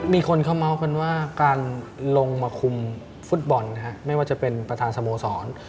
มีคนเขาเมาส์กันว่าการลงมาคุมฟุตบอลไม่ว่าจะเป็นประธานสโมสร